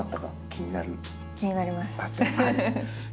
気になります。